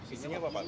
isinya lho pak